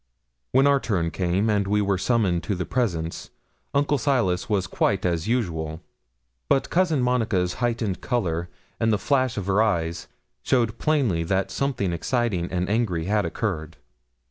When our turn came and we were summoned to the presence, Uncle Silas was quite as usual; but Cousin Monica's heightened colour, and the flash of her eyes, showed plainly that something exciting and angry had occurred.